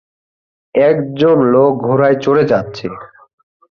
একজন লোক ঘোড়ায় চড়ে যাচ্ছে।